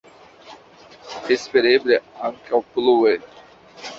Espereble ankaŭ plue.